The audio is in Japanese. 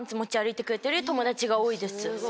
友達が多いです。